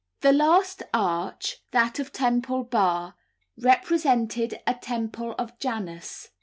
The last arch, that of Temple Bar, represented a temple of Janus.